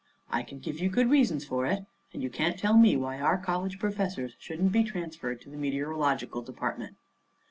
I can give you good reasons for it; and you can't tell me why our college professors shouldn't be transferred to the meteorological department.